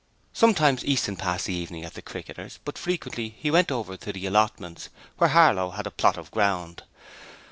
Sometimes Easton passed the evening at the Cricketers but frequently he went over to the allotments, where Harlow had a plot of ground.